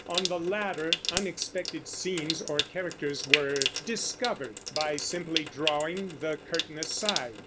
On the latter unexpected scenes or characters were "discovered" by simply drawing the curtain aside.